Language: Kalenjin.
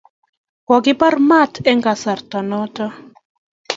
Ko kibar mat eng kasarta notok